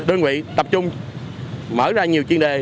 đơn vị tập trung mở ra nhiều chuyên đề